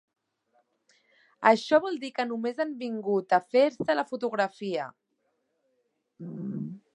Això vol dir que només han vingut a fer-se la fotografia.